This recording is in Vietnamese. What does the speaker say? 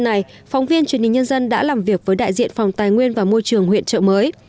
hôm nay phóng viên truyền hình nhân dân đã làm việc với đại diện phòng tài nguyên và môi trường huyện trợ mới